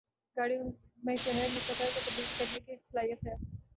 گاڑیوں میں شہر میں سفر کو تبدیل کرنے کی صلاحیت ہے